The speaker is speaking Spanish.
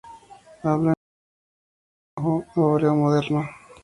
Hablan árabe o hebreo moderno.